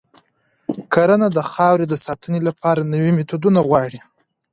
کرنه د خاورې د ساتنې لپاره نوي میتودونه غواړي.